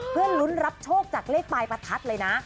เพื่อลุ้นรับโชคจากเลขปลายประทัดเลยนะ